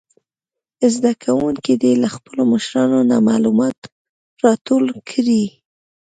زده کوونکي دې له خپلو مشرانو نه معلومات راټول کړي.